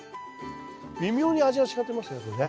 微妙に味が違ってますねこれね。